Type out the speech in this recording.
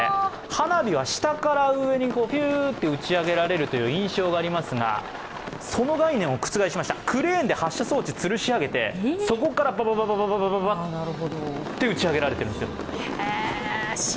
花火は下から上にぴゅーっと打ち上げられるという印象がありますがその概念を覆しましたクレーンで発射装置をつるし上げてそこからバババババッって打ち上げられてるんですよ。